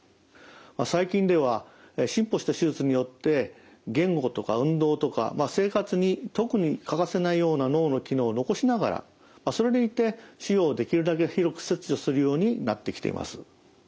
最近では進歩した手術によって言語とか運動とか生活に特に欠かせないような脳の機能を残しながらそれでいて腫瘍をできるだけ広く切除するようになってきています。